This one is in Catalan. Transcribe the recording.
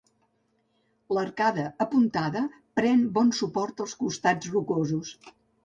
L'arcada, apuntada, pren bon suport als costats rocosos.